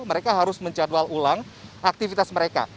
mereka harus menjadwal ulang aktivitas mereka